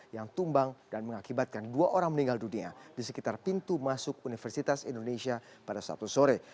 yang tumbang dan mengakibatkan dua orang meninggal dunia di sekitar pintu masuk universitas indonesia pada sabtu sore